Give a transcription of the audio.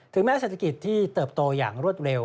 แม้เศรษฐกิจที่เติบโตอย่างรวดเร็ว